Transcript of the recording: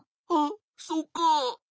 あっそうか。